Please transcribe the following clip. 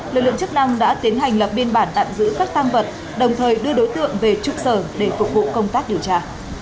lực lượng chức năng đã tiến hành lập biên bản tạm giữ các tăng vật đồng thời đưa đối tượng về trục sở để phục vụ công tác điều tra